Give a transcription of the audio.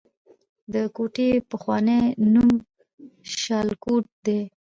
د کوټې پخوانی نوم شالکوټ دی